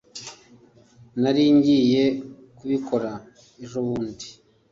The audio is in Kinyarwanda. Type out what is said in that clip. Nari ngiye kubikora ejobundi